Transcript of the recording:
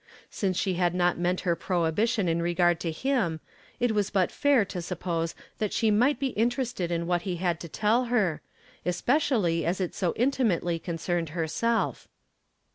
Since she had not meant her prohibition in regard to him, it was but fair to suppose that she might be interested in what he had to tell her, especially as it so intimately con cerned himself.